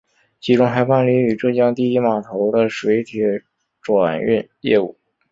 其中还办理与浙江第一码头的水铁转运业务。